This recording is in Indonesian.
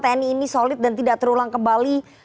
tni ini solid dan tidak terulang kembali